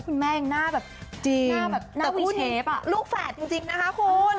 ก็แม่งหน้าแบบจริงหน้าแบบหน้าชิคกี้พายอะลูกแฝดจริงจริงนะคะคุณ